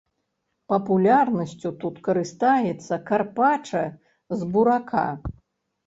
Папулярнасцю тут карыстаецца карпача з бурака.